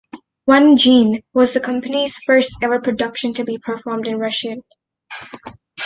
"Onegin" was the company's first ever production to be performed in Russian.